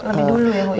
lebih dulu ya bu